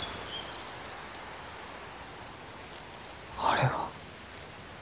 あれは。